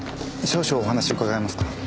少々お話伺えますか。